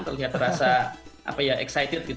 terlihat terasa apa ya excited